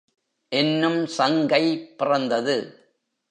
என்னும் சங்கை பிறந்தது.